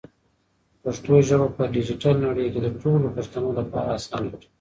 پښتو ژبه په ډیجیټل نړۍ کې د ټولو پښتنو لپاره اسانه کړئ.